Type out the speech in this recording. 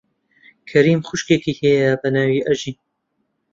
کەریم خوشکێکی هەیە بە ناوی ئەژین.